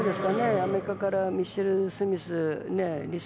アメリカからミシェル・スミスリサ